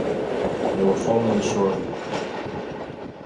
They were following the shore of a lake.